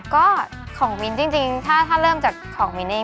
ก็ของมิ้นจริงถ้าเริ่มจากของมิ้นนี่